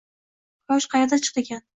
Quyosh qayerdan chiqdi ekan